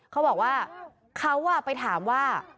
เขาบอกว่าเขาไปถามว่า